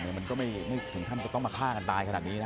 มันก็ไม่ถึงขั้นจะต้องมาฆ่ากันตายขนาดนี้นะ